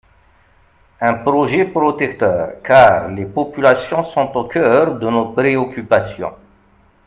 Un projet protecteur, car les populations sont au cœur de nos préoccupations.